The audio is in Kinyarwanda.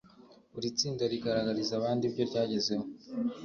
buri tsinda rigaragariza abandi ibyo ryagezeho